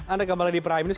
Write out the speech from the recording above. anda kembali di prime news